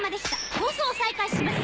放送を再開します